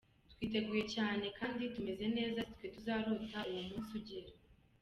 Turiteguye cyane kandi tumeze neza, sitwe tuzarota uwo munsi ugera.